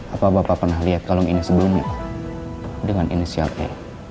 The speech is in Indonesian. apa bapak pernah lihat kalung ini sebelumnya dengan inisiatif